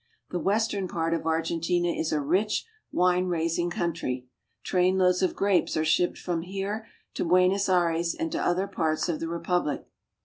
The western part of Argentina is a rich wine raising country. Trainloads of grapes are shipped from here to Buenos Aires and to other parts of the repubhc.